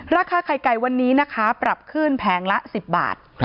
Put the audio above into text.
ราคาไข่ไก่วันนี้นะคะปรับขึ้นแผงละ๑๐บาท